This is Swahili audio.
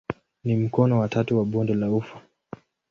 Ni mkono wa tatu wa bonde la ufa.